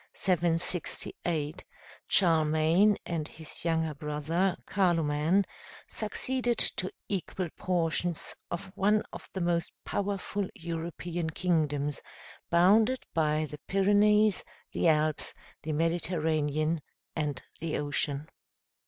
] Upon the death of Pepin, 768, Charlemagne and his younger brother, Carloman, succeeded to equal portions of one of the most powerful European kingdoms, bounded by the Pyrenees, the Alps, the Mediterranean, and the ocean.